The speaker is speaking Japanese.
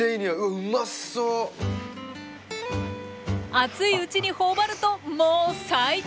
熱いうちに頬張るともう最高！